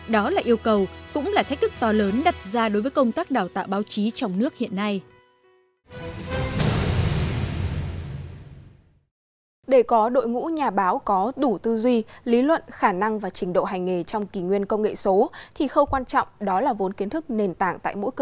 đó là yêu cầu cũng là thách thức to lớn đặt ra đối với công tác đào tạo báo chí trong nước hiện nay